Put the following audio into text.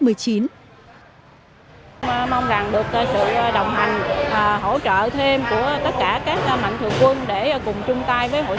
mình được sự đồng hành hỗ trợ thêm của tất cả các mạnh thượng quân để cùng chung tay với hội